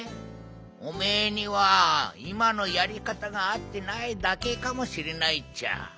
おめえにはいまのやりかたがあってないだけかもしれないっちゃ。